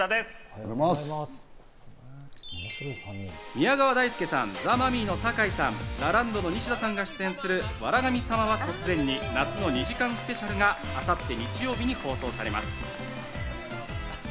宮川大輔さん、ザ・マミィの酒井さん、ラランドのニシダさんが出演する『笑神様は突然に』夏の２時間スペシャルが明後日日曜日に放送されます。